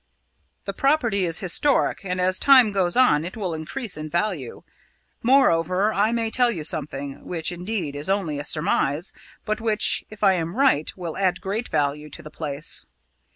"The property is historic, and as time goes on it will increase in value. Moreover, I may tell you something, which indeed is only a surmise, but which, if I am right, will add great value to the place."